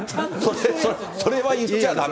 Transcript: それは言っちゃだめ。